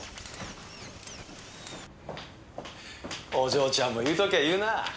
お嬢ちゃんも言う時は言うなぁ。